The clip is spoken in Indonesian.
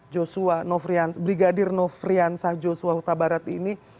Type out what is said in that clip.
joshua nofriansah brigadir nofriansah joshua hutabarat ini